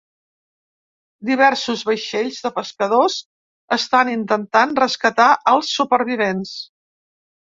Diversos vaixells de pescadors estan intentant rescatar als supervivents.